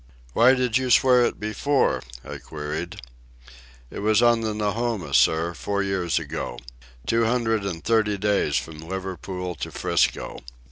"Why did you swear it before?" I queried. "It was on the Nahoma, sir, four years ago. Two hundred and thirty days from Liverpool to 'Frisco.